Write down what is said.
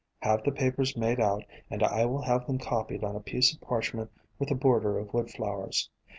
"Have the papers made out and I will have them copied on a piece of parchment with a border of wood flowers.